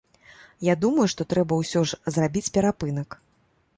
Я думаю, што трэба ўсе ж зрабіць перапынак.